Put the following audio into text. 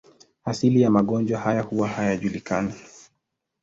Asili ya magonjwa haya huwa hayajulikani.